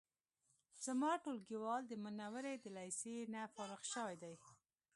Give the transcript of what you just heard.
زما ټولګیوال د منورې د لیسې نه فارغ شوی دی